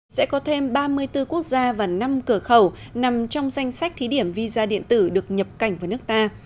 sẽ có thêm ba mươi bốn quốc gia và năm cửa khẩu nằm trong danh sách thí điểm visa điện tử được nhập cảnh vào nước ta